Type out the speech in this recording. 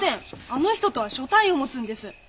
あの人とは所帯をもつんです。